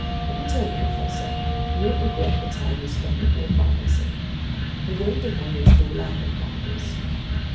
Let me tell you, professor, you won't regret the time you spend aboard my vessel. You're going to voyage through a land of wonders.